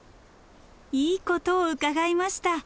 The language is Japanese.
いいことを伺いました。